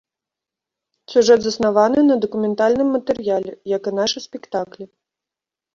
Сюжэт заснаваны на дакументальным матэрыяле, як і нашы спектаклі.